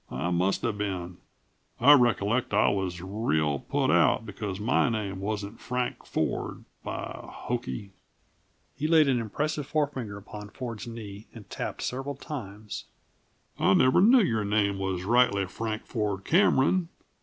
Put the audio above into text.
I musta been. I recollect I was real put out because my name wasn't Frank Ford By hokey!" He laid an impressive forefinger upon Ford's knee and tapped several times. "I never knew your name was rightly Frank Ford Cameron.